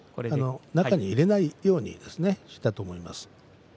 中に入れないようにですね、だと思います。